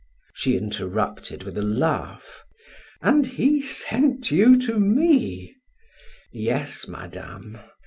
She interrupted with a laugh: "And he sent you to me?" "Yes, Madame.